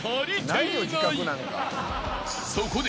［そこで］